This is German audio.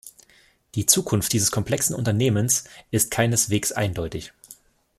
Die Zukunft dieses komplexen Unternehmens ist keineswegs eindeutig.